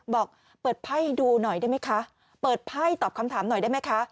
บอกเปิดไพ่ดูหน่อยได้ไหมคะเปิดไพ่ตอบคำถามหน่อยได้ไหมคะ